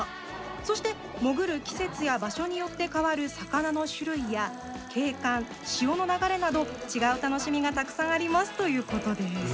そして、潜る季節や場所によって変わる魚の種類や、景観潮の流れなど違う楽しみがたくさんありますということです。